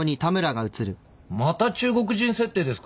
また中国人設定ですか？